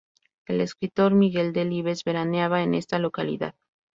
El escritor Miguel Delibes veraneaba en esta localidad.